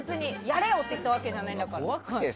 やれよ！って言ったわけじゃないので。